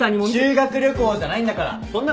修学旅行じゃないんだからそんなのないって。